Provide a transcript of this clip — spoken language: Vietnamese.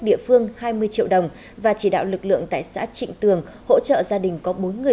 địa phương hai mươi triệu đồng và chỉ đạo lực lượng tại xã trịnh tường hỗ trợ gia đình có bốn người